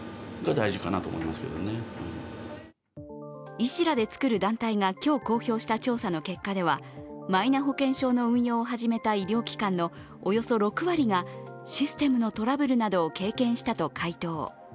医師らで作る団体が今日公表した調査の結果ではマイナ保険証の運用を始めた医療機関のおよそ６割がシステムのトラブルなどを経験したと回答。